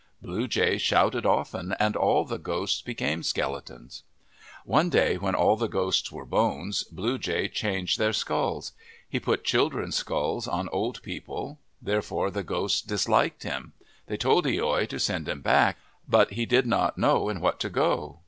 Blue Jay shouted often and all the ghosts became skeletons. One day when all the ghosts were bones, Blue Jay 9 6 OF THE PACIFIC NORTHWEST changed their skulls. He put children's skulls on old people. Therefore the ghosts disliked him. They told loi to send him back. But he did not know in what to go.